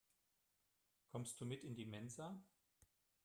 Kommst du mit in die Mensa?